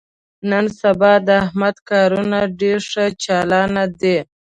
نن سبا د احمد کارونه ډېر ښه چالان دي.